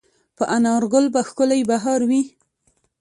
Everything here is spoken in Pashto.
په انارګل به ښکلی بهار وي